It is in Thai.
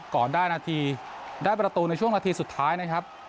ก่อนได้นาทีได้ประตูในช่วงนาทีสุดท้ายนะครับ